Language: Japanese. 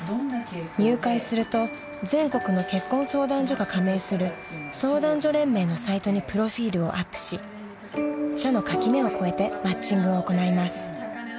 ［入会すると全国の結婚相談所が加盟する相談所連盟のサイトにプロフィルをアップし社の垣根を越えてマッチングを行います］